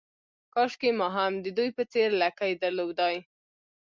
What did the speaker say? کاشکې ما هم د دوی په څېر لکۍ درلودای.